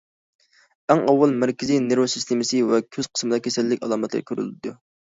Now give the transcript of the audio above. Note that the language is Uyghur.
ئەڭ ئاۋۋال مەركىزىي نېرۋا سىستېمىسى ۋە كۆز قىسمىدا كېسەللىك ئالامەتلىرى كۆرۈلىدۇ.